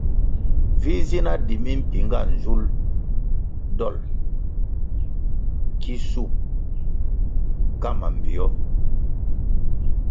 Vi zi na di mimpinga nzulʼ dolʼ ki shup ka mambpio.